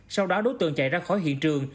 sau đó đối tượng chạy ra khỏi hiện trường